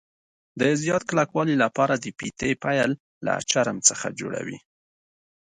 د زیات کلکوالي له پاره د فیتې پیل له چرم څخه جوړوي.